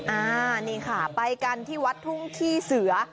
อ่านี่ค่ะไปกันที่วัดทุ่งขี้เสือ